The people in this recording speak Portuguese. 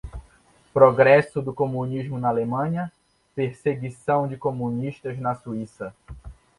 Progresso do Comunismo na Alemanha - Perseguição de Comunistas na Suíça